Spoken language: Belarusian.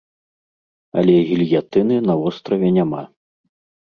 Але гільятыны на востраве няма.